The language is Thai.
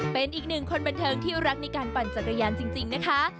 เป็นอีกหนึ่งคนบันเทิงที่รักในการปั่นจักรยานจริงนะคะ